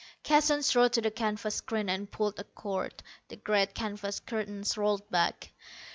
Keston strode to the canvas screen and pulled a cord. The great canvas curtains rolled back.